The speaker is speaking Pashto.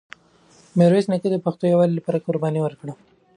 میرویس نیکه د پښتنو د یووالي لپاره قرباني ورکړه.